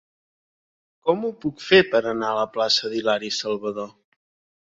Com ho puc fer per anar a la plaça d'Hilari Salvadó?